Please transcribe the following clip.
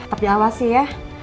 tapi awas sih ya